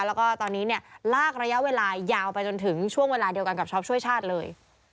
แล้วก็ตอนนี้เนี่ยลากระยะเวลายาวไปจนถึงช่วงเวลาเดียวกันกับช็อปช่วยชาติเลย